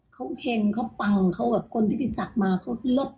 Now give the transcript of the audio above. เขาเห็นเขาปังเขากับคนที่ไปศักย์มาเขาลบ